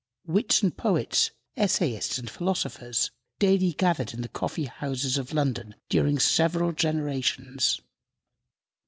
Wits and poets, essayists and philosophers, daily gathered in the coffee houses of London during several generations.